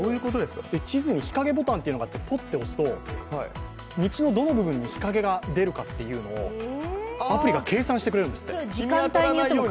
地図に日陰ボタンというのがありまして、これを押しますと道のどの部分に日陰が出るかというのをアプリが計算してくれるんですって。